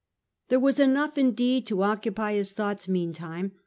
There was enough indeed to occupy his thoughts meantime.